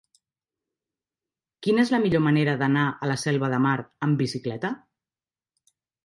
Quina és la millor manera d'anar a la Selva de Mar amb bicicleta?